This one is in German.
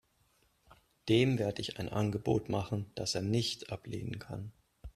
Dem werde ich ein Angebot machen, das er nicht ablehnen kann.